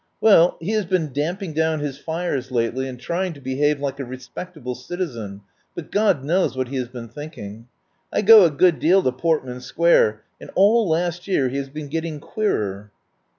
Well, he has been damping down his fires lately and trying to behave like a respectable citizen, but God knows what he has been thinking! I go a good deal to Portman Square, and all last year he has been getting queerer."